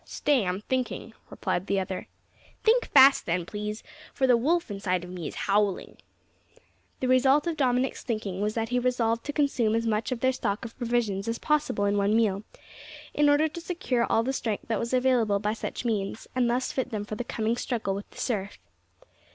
"Stay, I'm thinking," replied the other. "Think fast then, please, for the wolf inside of me is howling." The result of Dominick's thinking was that he resolved to consume as much of their stock of provisions as possible in one meal, in order to secure all the strength that was available by such means, and thus fit them for the coming struggle with the surf.